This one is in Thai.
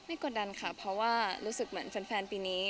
กดดันค่ะเพราะว่ารู้สึกเหมือนแฟนปีนี้